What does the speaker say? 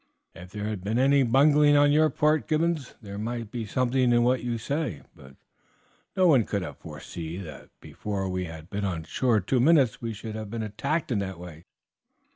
"If there had been any bungling on your part, Gibbons, there might be something in what you say, but no one could have foreseen that before we had been on shore two minutes we should have been attacked in that way.